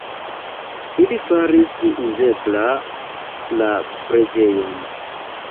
Ili faris uzebla la preĝejon.